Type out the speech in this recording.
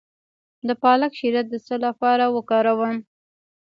د پالک شیره د څه لپاره وکاروم؟